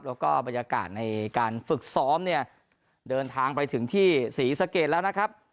แล้วก็บรรยากาศในการฝึกซ้อมเนี่ยเดินทางไปถึงที่ศรีสะเกดแล้วนะครับ